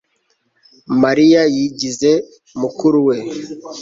Mariya yigize mukuru we